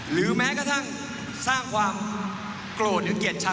หรือแม้กระทั่งสร้างความโกรธหรือเกลียดชัง